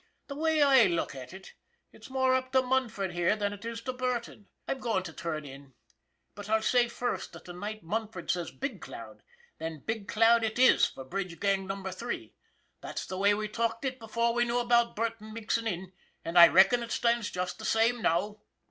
" The way I look at it, it's more up to Munford here than it is to Burton. MUNFORD 333 I'm goin' to turn in, but I'll say first that the night Munford says Big Cloud, then Big Cloud it is for Bridge Gang No. 3. That's the way we talked it before we knew about Burton mixin' in, and I reckon it stands just the same now."